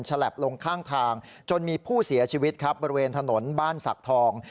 ฉลับลงข้างทางจนมีผู้เสียชีวิตครับบริเวณถนนบ้านศักดิ์ทอง